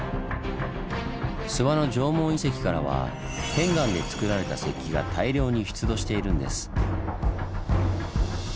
諏訪の縄文遺跡からは片岩でつくられた石器が大量に出土しているんです。